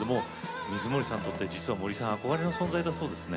水森さんにとって、実は森さんは憧れの存在だそうですね。